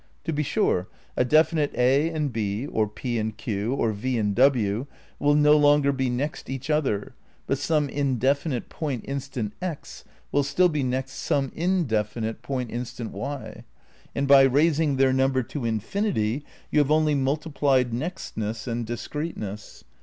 To be sure, a definite A and B, or P and Q, or V and W will no longer be next each other, but some indefinite point instant X will still be next some indefinite point instant t/, and by raising their number to infinity you have only multiplied nextness and discreteness.